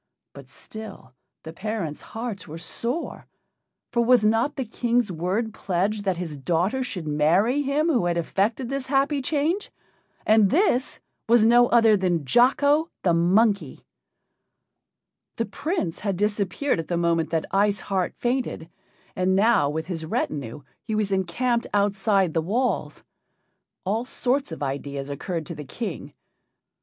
But still the parents' hearts were sore, for was not the King's word pledged that his daughter should marry him who had effected this happy change? And this was no other than Jocko, the monkey! The Prince had disappeared at the moment that Ice Heart fainted, and now with his retinue he was encamped outside the walls. All sorts of ideas occurred to the King.